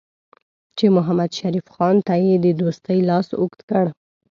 چې محمدشریف خان ته یې د دوستۍ لاس اوږد کړ.